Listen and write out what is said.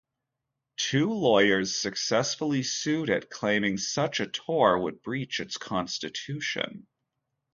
Two lawyers successfully sued it, claiming such a tour would breach its constitution.